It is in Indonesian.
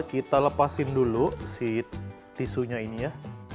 kita lepasin dulu si tisunya ini ya